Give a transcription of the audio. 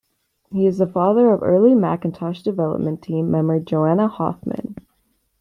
He is the father of early Macintosh development team member Joanna Hoffman.